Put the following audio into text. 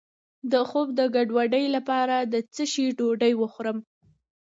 د خوب د ګډوډۍ لپاره د څه شي ډوډۍ وخورم؟